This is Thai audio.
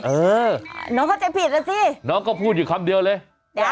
เออน้องเข้าใจผิดแล้วสิน้องก็พูดอยู่คำเดียวเลย